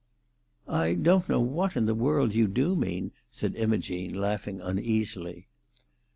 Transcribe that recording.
"I don't know what in the world you do mean," said Imogene, laughing uneasily.